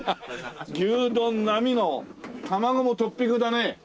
牛丼並の卵もトッピングだね。